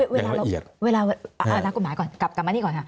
เวลานักกฎหมายก่อน